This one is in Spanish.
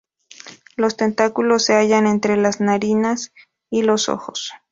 Los tentáculos se hallan entre las narinas y los ojos.